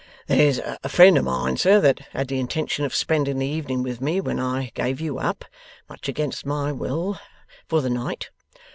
'There's a friend of mine, sir, that had the intention of spending the evening with me when I gave you up much against my will for the night.